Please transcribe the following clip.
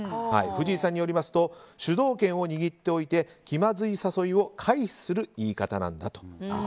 藤井さんによりますと主導権を握っておいて気まずい誘いを回避する言い方なんだと。